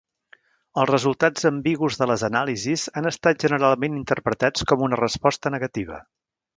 Els resultats ambigus de les anàlisis han estat generalment interpretats com una resposta negativa.